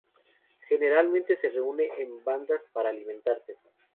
Generalmente se reúne en bandadas para alimentarse.